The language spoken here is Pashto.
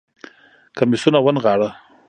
کميسونه ونغاړه